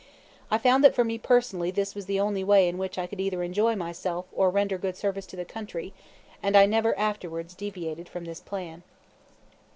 I found that for me personally this was the only way in which I could either enjoy myself or render good service to the country, and I never afterwards deviated from this plan.